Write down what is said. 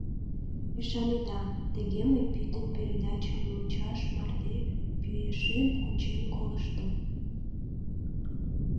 Ӱшанеда, тыге мый пӱтынь передачым мучаш марте пӱешем кучен колыштым.